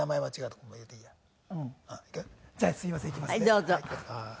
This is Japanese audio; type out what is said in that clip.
どうぞ。